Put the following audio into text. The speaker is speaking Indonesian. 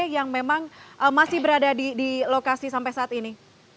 yang memang masih berada di lokasi sampai saat ini